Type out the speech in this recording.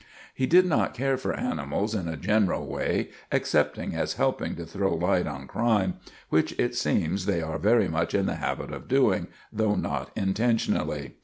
He did not care for animals in a general way, excepting as helping to throw light on crime; which, it seems, they are very much in the habit of doing, though not intentionally.